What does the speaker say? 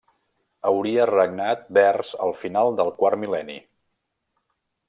Hauria regnat vers el final del quart mil·lenni.